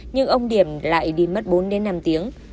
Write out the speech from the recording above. nhưng ông điểm lại đi mất bốn đến năm tiếng